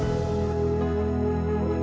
aku terlalu berharga